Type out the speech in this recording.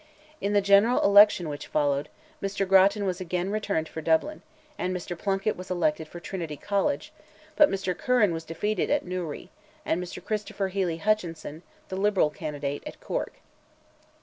In the general election which followed, Mr. Grattan was again returned for Dublin, and Mr. Plunkett was elected for Trinity College, but Mr. Curran was defeated at Newry, and Mr. Christopher Hely Hutchinson, the liberal candidate, at Cork.